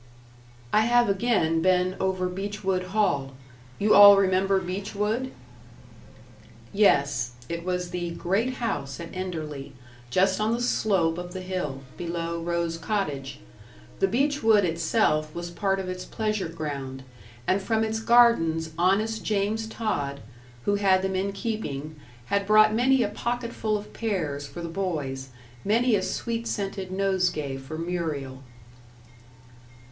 "I have again been over Beechwood Hall. You all remember Beechwood?" Yes. It was the "great house" at Enderley, just on the slope of the hill, below Rose Cottage. The beech wood itself was part of its pleasure ground, and from its gardens honest James Tod, who had them in keeping, had brought many a pocketful of pears for the boys, many a sweet scented nosegay for Muriel.